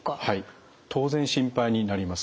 当然心配になります。